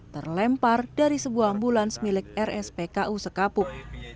terlempar dari sebuah ambulans milik rspku sekapuk